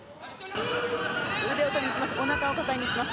腕を取りにいきます。